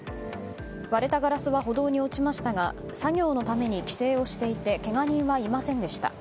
割れたガラスは歩道に落ちましたが作業のために規制をしていてけが人はいませんでした。